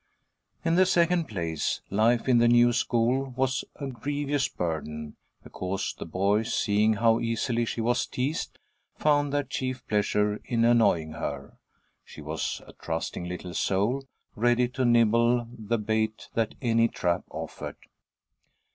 In the second place, life in the new school was a grievous burden, because the boys, seeing how easily she was teased, found their chief pleasure in annoying her. She was a trusting little soul, ready to nibble the bait that any trap offered.